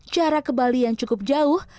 jarak ke bali yang cukup jauh